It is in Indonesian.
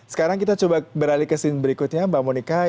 sekarang kita coba beralih ke scene berikutnya mbak monika